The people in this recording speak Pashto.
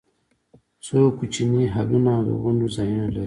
څو کوچني هالونه او د غونډو ځایونه لري.